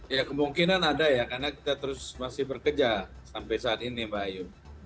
ya kemungkinan ada ya karena kita terus masih bekerja sampai saat ini mbak ayu